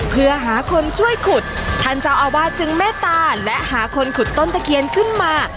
เพื่อหาคนช่วยขุดท่านเจ้าอาวาสจึงเมตตาและหาคนขุดต้นตะเคียนขึ้นมา